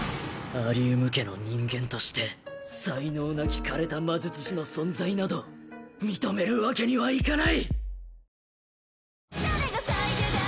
アリウム家の人間として才能なき枯れた魔術師の存在など認めるわけにはいかない！